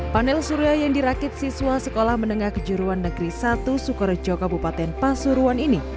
panel surya yang dirakit siswa sekolah menengah kejuruan negeri satu sukorejo kabupaten pasuruan ini